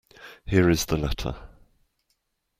Here is the letter.